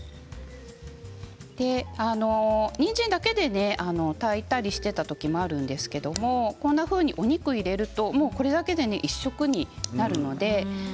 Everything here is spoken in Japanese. にんじんだけで炊いたりしていた時もあるんですけれどもこんなふうにお肉を入れるとこれだけで１食になるので。